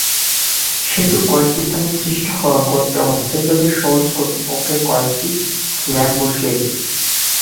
সেতুর কয়েকটি স্থানে সৃষ্টি হওয়া গর্তে অস্থায়ীভাবে সওজ কর্তৃপক্ষ কয়েকটি স্ল্যাব বসিয়েছে।